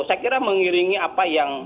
saya kira mengiringi apa yang